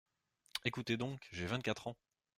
Ecoutez donc, j’ai vingt-quatre ans !